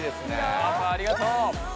パパありがとう！